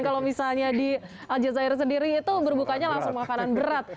kalau misalnya di al jazeera sendiri itu berbukanya langsung makanan berat